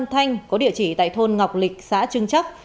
lê văn thành có địa chỉ tại thôn ngọc lịch xã trưng chắc